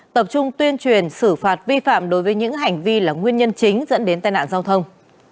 tập trung tuyên truyền xử phạt vi phạm đối với những hành vi là nguyên nhân chính dẫn đến tai nạn giao thông